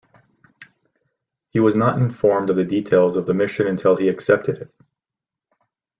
He was not informed of the details of the mission until he accepted it.